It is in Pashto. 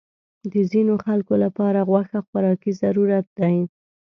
د ځینو خلکو لپاره غوښه خوراکي ضرورت دی.